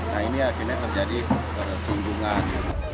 nah ini akhirnya terjadi kesinggungan